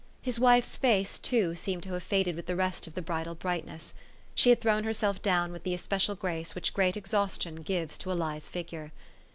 His wife's face, too, seemed to have faded with the rest of the bridal brightness. She had thrown herself down with the especial grace which great exhaustion gives to a lithe figure.